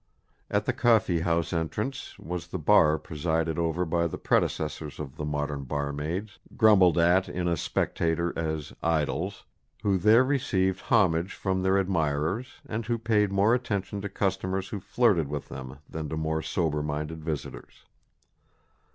At the coffee house entrance was the bar presided over by the predecessors of the modern barmaids grumbled at in a Spectator as "idols," who there received homage from their admirers, and who paid more attention to customers who flirted with them than to more sober minded visitors.